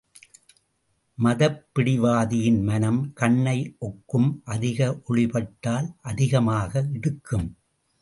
மதப் பிடிவாதியின் மனம் கண்ணை ஒக்கும், அதிக ஒளி பட்டால் அதிகமாக இடுக்கும்.